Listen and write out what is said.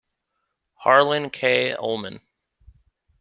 Harlan K. Ullman.